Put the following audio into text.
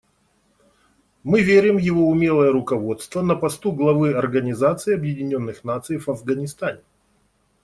Мы верим в его умелое руководство на посту главы Организации Объединенных Наций в Афганистане.